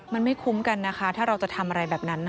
มันไม่คุ้มกันนะคะถ้าเราจะทำอะไรแบบนั้น